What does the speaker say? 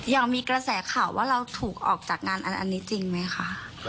ยังมีกระแสข่าวว่าเราถูกออกจากงานอันนี้จริงไหมคะ